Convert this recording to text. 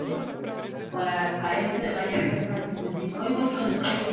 La construcción fue atribuida a Fray Juan de Zumárraga.